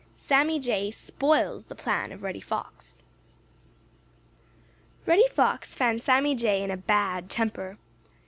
*XV* *SAMMY JAY SPOILS THE PLAN OF REDDY FOX* Reddy Fox found Sammy Jay in a bad temper.